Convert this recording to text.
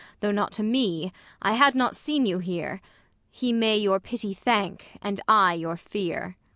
Though not to me, I had not seen you here. He may your pity thank, and I your fear.